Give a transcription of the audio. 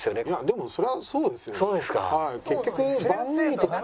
いやでもそれはそうですよね。